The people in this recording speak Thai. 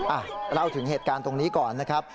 อ่ะเล่าถึงเหตุการณ์ตรงนี้ก่อนนะครับ